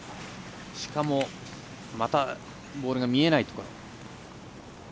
しかも、またボールが見えないところ。